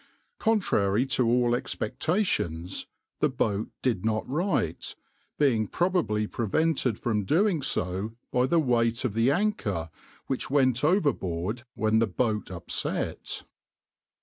Contrary to all expectations the boat did not right, being probably prevented from doing so by the weight of the anchor which went overboard when the boat upset.